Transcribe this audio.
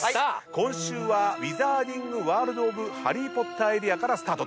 今週はウィザーディング・ワールド・オブ・ハリー・ポッターエリアからスタートと。